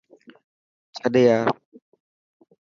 ڇڏ يار.